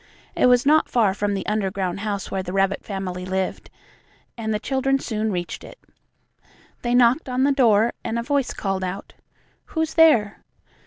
It was not far from the underground house where the rabbit family lived, and the children soon reached it. They knocked on the door, and a voice called out: "Who's there?"